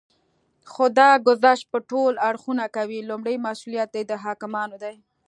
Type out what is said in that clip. خو دا ګذشت به ټول اړخونه کوي. لومړی مسئوليت یې د حاکمانو دی